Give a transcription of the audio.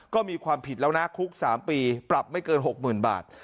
ก็มีความผิดแล้วนะคุกสามปีปรับไม่เกินหกหมื่นบาท